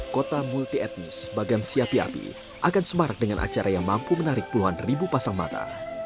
kota multi etnis bagansi api api akan semarak dengan acara yang mampu menarik puluhan ribu pasang mata